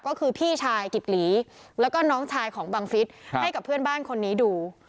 ก็คือพี่ชายกิบหลีแล้วก็น้องชายของบังฟิศให้กับเพื่อนบ้านคนนี้ดู